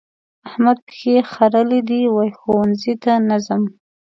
احمد پښې خرلې دي؛ وايي ښوونځي ته نه ځم.